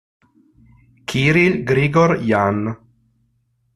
Kirill Grigor'jan